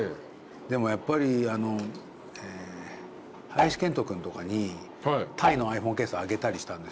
でもやっぱり林遣都君とかにタイのｉＰｈｏｎｅケースをあげたりしたんですよね。